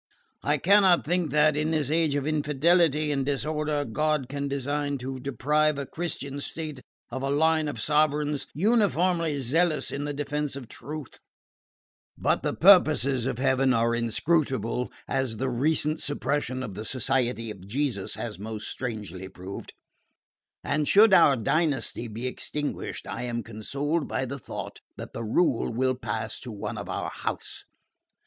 I cannot think that, in this age of infidelity and disorder, God can design to deprive a Christian state of a line of sovereigns uniformly zealous in the defence of truth; but the purposes of Heaven are inscrutable, as the recent suppression of the Society of Jesus has most strangely proved; and should our dynasty be extinguished I am consoled by the thought that the rule will pass to one of our house.